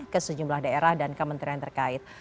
ke sejumlah daerah dan kementerian terkait